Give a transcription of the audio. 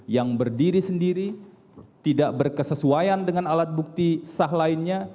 yang berdiri sendiri tidak berkesesuaian dengan alat bukti sah lainnya